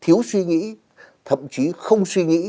thiếu suy nghĩ thậm chí không suy nghĩ